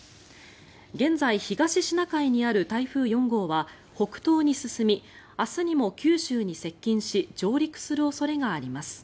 現在、東シナ海にある台風４号は北東に進み明日にも九州に接近し上陸する恐れがあります。